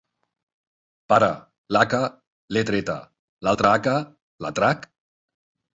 Pare, l'haca, l'he treta; l'altra haca, la trac?